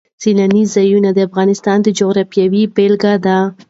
سیلانی ځایونه د افغانستان د جغرافیې بېلګه ده.